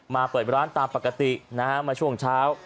เปิดร้านตามปกตินะฮะมาช่วงเช้า